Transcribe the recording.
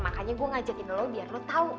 makanya gue ngajakin lo biar lo tau